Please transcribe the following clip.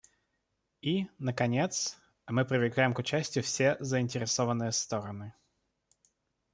И, наконец, мы привлекаем к участию все заинтересованные стороны.